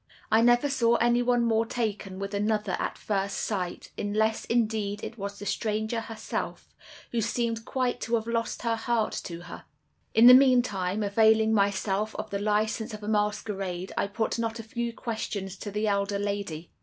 I never saw anyone more taken with another at first sight, unless, indeed, it was the stranger herself, who seemed quite to have lost her heart to her. "In the meantime, availing myself of the license of a masquerade, I put not a few questions to the elder lady.